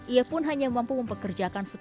ia pun hanya mampu mempekerjakan seputar perkebunan